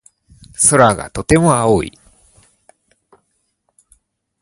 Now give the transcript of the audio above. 空がとても青い。